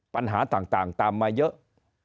ปัญหาต่างตามมาเยอะ